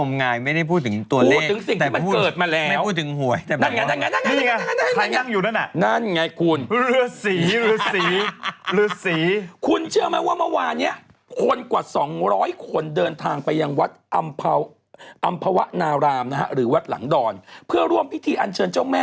ไม่ได้พูดถึงหวย